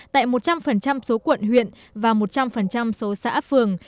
tại một trăm linh số quận huyện và một trăm linh số xã phường